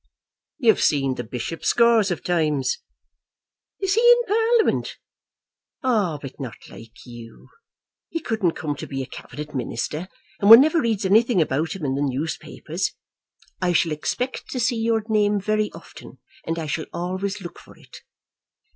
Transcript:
"You've seen the bishop scores of times." "Is he in Parliament? Ah, but not like you. He couldn't come to be a Cabinet Minister, and one never reads anything about him in the newspapers. I shall expect to see your name, very often, and I shall always look for it.